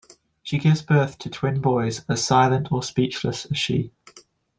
She gives birth to twin boys as silent or speechless as she.